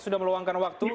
sudah meluangkan waktu